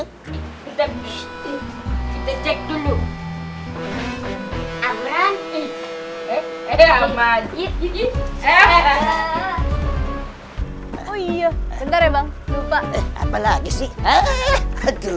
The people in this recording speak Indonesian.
kita cek dulu abrangi eh eh emang ih hahahaha oh ya bentar ebang lupa apalagi sih aduh